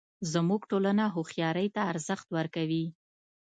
زموږ ټولنه هوښیارۍ ته ارزښت ورکوي